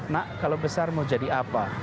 nak kalau besar mau jadi apa